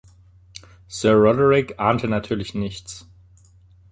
Sir Roderick ahnte natürlich nichts.